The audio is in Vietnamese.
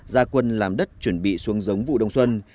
gia quân làm đất chuẩn bị xuống giống vụ đông xuân